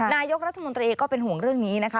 นายกรัฐมนตรีก็เป็นห่วงเรื่องนี้นะคะ